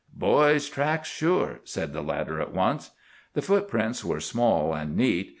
"Boy's tracks, sure," said the latter at once. The footprints were small and neat.